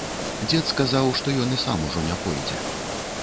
Дзед сказаў, што ён і сам ужо не пойдзе.